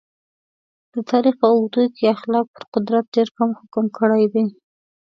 د تاریخ په اوږدو کې اخلاق پر قدرت ډېر کم حکم کړی دی.